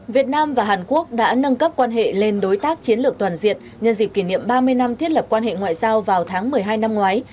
việt nam và hàn quốc đã nâng cấp quan hệ lên đối tác chiến lược toàn diện nhân dịp kỷ niệm ba mươi năm thiết lập quan hệ ngoại giao vào tháng một mươi hai năm ngoái